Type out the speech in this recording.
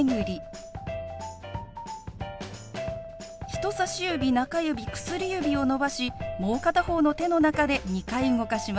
人さし指中指薬指を伸ばしもう片方の手の中で２回動かします。